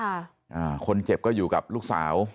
อ่าคนเจ็บก็อยู่กับลูกสาว